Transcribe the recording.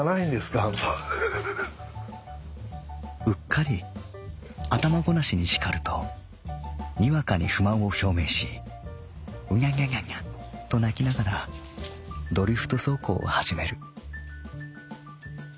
「うっかり頭ごなしに叱るとにわかに不満を表明しうにゃにゃにゃにゃと鳴きながらドリフト走行をはじめる」。